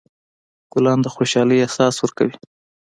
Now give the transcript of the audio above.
ګلان د خوشحالۍ احساس ورکوي.